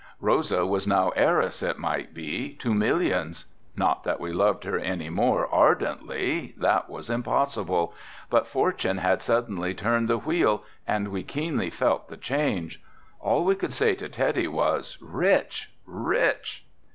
Rosa was now sole heiress, it might be to millions. Not that we loved her any more ardently, that was impossible, but fortune had suddenly turned the wheel and we keenly felt the change. All we could say to Teddy was, "Rich, rich."